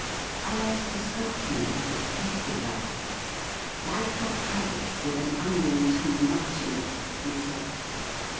I asked a Scotchmen what it tasted like. " Like a haggis with an onion too much in it," he said.